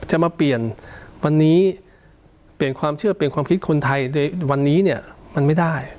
จะมาเปลี่ยนวันนี้เปลี่ยนความเชื่อเปลี่ยนความคิดคนไทยในวันนี้เนี่ยมันไม่ได้